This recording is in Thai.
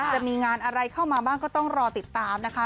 จะมีงานอะไรเข้ามาบ้างก็ต้องรอติดตามนะคะ